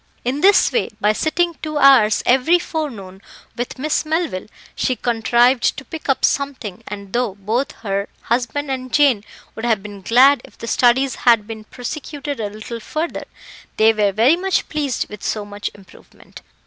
In this way, by sitting two hours every forenoon with Miss Melville, she contrived to pick up something, and though both her husband and Jane would have been glad if the studies had been prosecuted a little further, they were very much pleased with so much improvement.